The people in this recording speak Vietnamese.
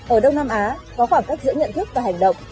ở đông nam á có khoảng cách giữa nhận thức và hành động